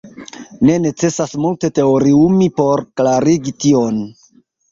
Ne necesas multe teoriumi por klarigi tion.